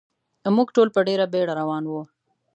موږ ټول په ډېره بېړه روان و.